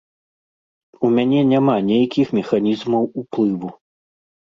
У мяне няма нейкіх механізмаў уплыву.